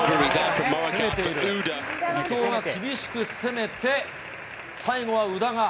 伊藤が厳しく攻めて、最後は宇田が。